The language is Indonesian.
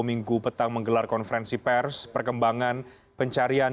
minggu petang menggelar konferensi pers perkembangan pencarian